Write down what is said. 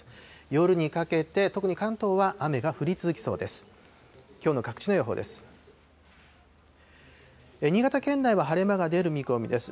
夜にかけて、特に関東は雨が降り続きそうです。